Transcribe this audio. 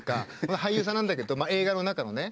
俳優さんなんだけど映画の中のね。